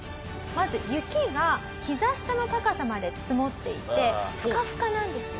まず雪がひざ下の高さまで積もっていてふかふかなんです。